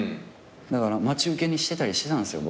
だから待ち受けにしてたりしてたんですよ